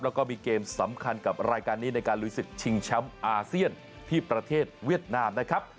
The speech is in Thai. แล้วก็มีเกมสำคัญกับรายการนี้ในการลุยศึกชิงแชมป์อาเซียนที่ประเทศเวียดนามนะครับ